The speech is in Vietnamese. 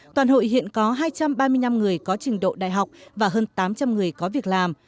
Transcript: toàn hội hiện có hai trăm ba mươi năm người có trình độ đại học và hơn tám trăm linh người có việc làm